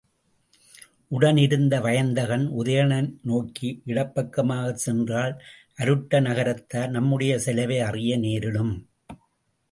உடன் இருந்த வயந்தகன் உதயணன் நோக்கி, இடப் பக்கமாகச் சென்றால் அருட்ட நகரத்தார் நம்முடைய செலவை அறிய நேரிடும்.